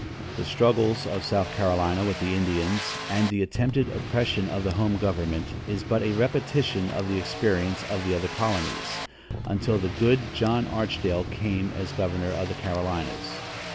The struggles of South Carolinia with the Indians, and the attempted oppression of the home government is but a repetition of the experience of the other colonies, until the good John Archdale came as governor of the Carolinias.